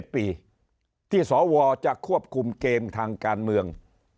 ๗ปีที่สวจะควบคุมเกมทางการเมือง